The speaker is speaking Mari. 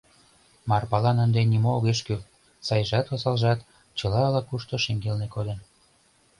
Марпалан ынде нимо огеш кӱл: сайжат, осалжат — чыла ала-кушто шеҥгелне кодын.